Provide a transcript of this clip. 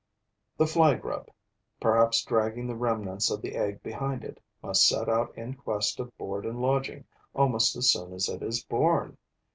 The fly grub, perhaps dragging the remnants of the egg behind it, must set out in quest of board and lodging almost as soon as it is born.